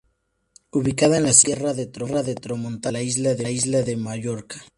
Ubicado en la Sierra de Tramontana de la isla de Mallorca.